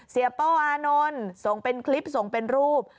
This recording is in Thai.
โป้อานนท์ส่งเป็นคลิปส่งเป็นรูป